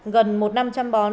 gần một năm trăm linh bón